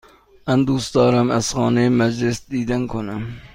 من دوست دارم از خانه مجلس دیدن کنم.